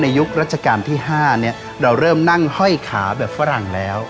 ในยุคราชการที่๕เราเริ่มนั่งเฮ้ยขาแบบฝรั่งแล้ว